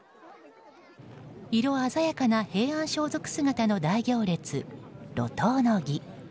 色鮮やかな平安装束姿の大行列路頭の儀。